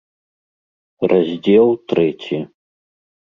РАЗДЗЕЛ ТРЭЦІ.